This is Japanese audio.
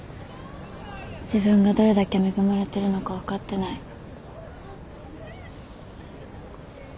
自分がどれだけ恵まれてるのか分かってない。